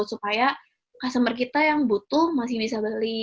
supaya customer kita yang butuh masih bisa beli